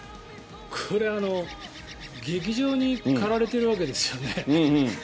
これ、激情にかられているわけですよね。